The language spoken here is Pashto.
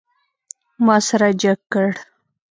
ما سر جګ کړ.